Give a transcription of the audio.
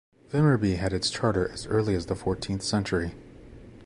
Vimmerby had its charter as early as the fourteenth century.